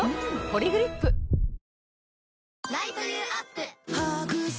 「ポリグリップ」娘）